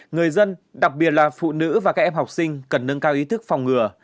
người dân đặc biệt là phụ nữ và các em học sinh cần nâng cao ý thức phòng ngừa